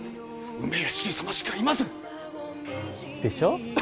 梅屋敷様しかいませんでしょ？